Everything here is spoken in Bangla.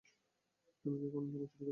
তুমি কি কখনও লুকোচুরি খেলেছ?